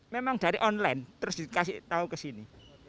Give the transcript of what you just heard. memang dari online terus dikasih tahu ke sini